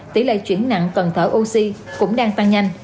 tỷ lệ chuyển nặng cần thở oxy cũng đang tăng nhanh